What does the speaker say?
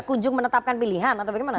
kunjung menetapkan pilihan atau bagaimana